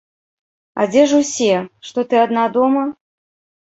А дзе ж усе, што ты адна дома?